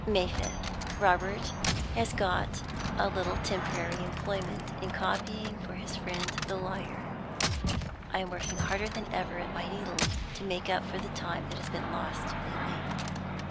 May 5th. Robert has got a little temporary employment in copying for his friend the lawyer. I am working harder than ever at my needle, to make up for the time that has been lost lately.